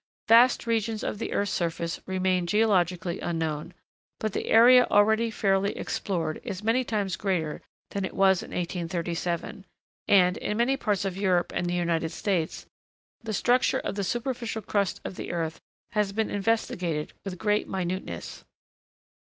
Vast regions of the earth's surface remain geologically unknown; but the area already fairly explored is many times greater than it was in 1837; and, in many parts of Europe and the United States, the structure of the superficial crust of the earth has been investigated with great minuteness.